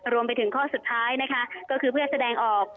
รวมไปถึงข้อสุดท้ายนะคะก็คือเพื่อแสดงออก